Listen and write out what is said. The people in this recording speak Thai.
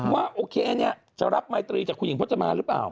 ว่าโอเคจะรับไมตรีจากคุณหญิงพจมาหรือเปล่า